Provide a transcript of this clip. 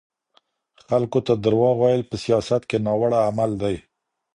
خلګو ته درواغ ويل په سياست کي ناوړه عمل دی.